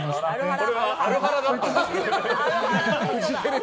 これはアルハラだったんですね。